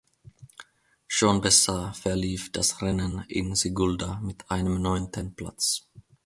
Schon besser verlief das Rennen in Sigulda mit einem neunten Platz.